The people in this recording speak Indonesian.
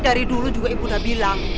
dari dulu juga ibu udah bilang